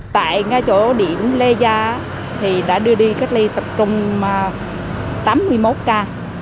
tại ngay chỗ điểm le gia thì đã đưa đi cách ly tập trung tám mươi một ca